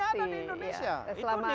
hanya ada di indonesia